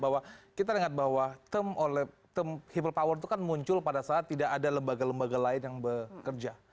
bahwa kita ingat bahwa term people power itu kan muncul pada saat tidak ada lembaga lembaga lain yang bekerja